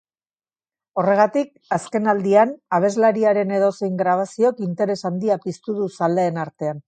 Horregatik, azkenaldian abeslariaren edozein grabaziok interes handia piztu du zaleen artean.